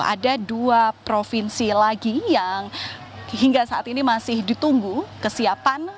ada dua provinsi lagi yang hingga saat ini masih ditunggu kesiapan